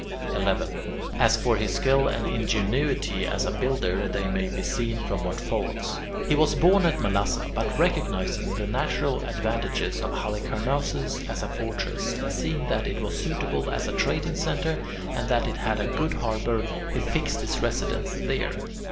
11. As for his skill and ingenuity as a builder, they may be seen from what follows. He was born at Melassa, but recognizing the natural advantages of Halicarnassus as a fortress, and seeing that it was suitable as a trading centre and that it had a good harbour, he fixed his residence there.